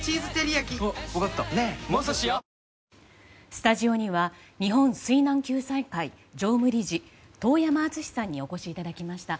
スタジオには日本水難救済会常務理事遠山純司さんにお越しいただきました。